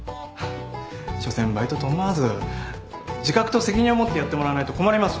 しょせんバイトと思わず自覚と責任を持ってやってもらわないと困ります。